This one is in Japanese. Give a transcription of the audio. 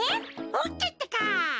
オッケーってか。